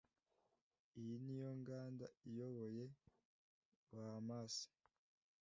iyi niyo nganda iyoboye Bahamasi